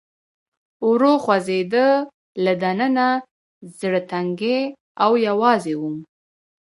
ورو خوځېده، له دننه زړه تنګی او یوازې ووم.